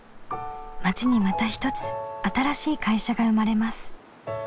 町にまた一つ新しい会社が生まれます。